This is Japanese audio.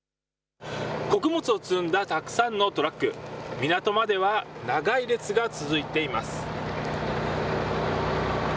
穀物を積んだたくさんのトラック、港までは長い列が続いています。